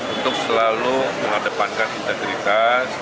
untuk selalu menghadepankan integritas